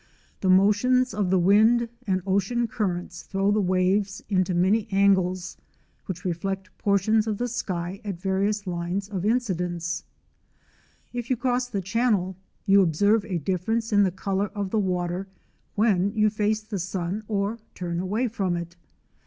The motions of the wind and ocean currents throw the waves into many angles, which reflect portions of the sky at various lines of incidence. If you cross the Channel, you observe a difference in the colour of the water when you face the sun or turn away from it.